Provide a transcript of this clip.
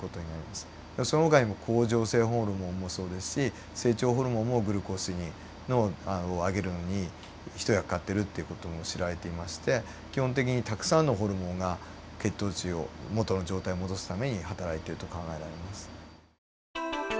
そのほかにも恒常性ホルモンもそうですし成長ホルモンもグルコースを上げるのに一役買っているっていう事も知られていまして基本的にたくさんのホルモンが血糖値を元の状態を戻すためにはたらいていると考えられます。